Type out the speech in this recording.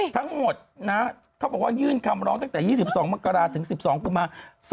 ทั้งหมดนะเขาบอกว่ายื่นคำร้องตั้งแต่๒๒มกราศถึง๑๒กุมภา